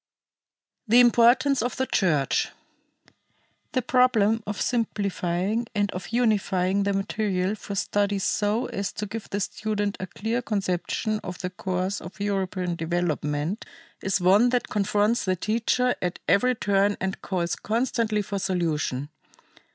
The Importance of the Church. The problem of simplifying and of unifying the material for study so as to give the student a clear conception of the course of European development is one that confronts the teacher at every turn and calls constantly for solution.